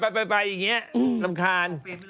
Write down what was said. ไปอย่างนี้รำคาญ